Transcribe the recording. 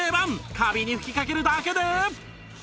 カビに吹きかけるだけで